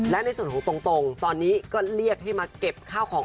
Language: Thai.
และในส่วนของตรงตอนนี้ก็เรียกให้มาเก็บข้าวของ